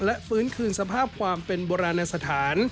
และฟื้นคืนสภาพความเป็นโบราณสถาน